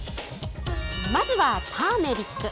まずは、ターメリック。